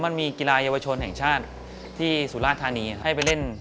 มันมีกีฬาเยาวชนแห่งชาติที่สุราธานีให้ไปเล่น